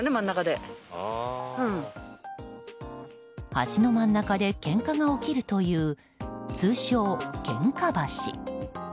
橋の真ん中でけんかが起きるという通称ケンカ橋。